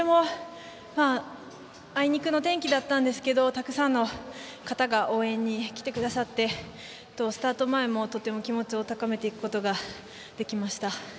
あいにくの天気だったんですけどたくさんの方が応援に来てくださってスタート前もとても気持ちを高めていくことができました。